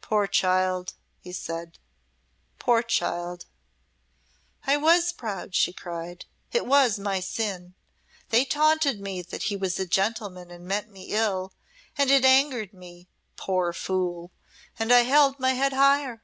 "Poor child!" he said; "poor child!" "I was proud," she cried. "It was my sin. They taunted me that he was a gentleman and meant me ill, and it angered me poor fool and I held my head higher.